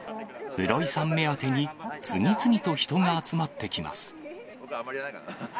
室井さん目当てに、次々と人が集まってきます。